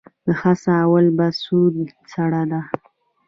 د حصه اول بهسود سړه ده